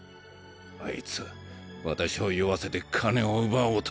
あいつ私を酔わせて金を奪おうと！